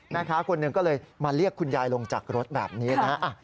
แม่ค้าคนหนึ่งก็เลยมาเรียกคุณยายลงจากรถแบบนี้นะฮะ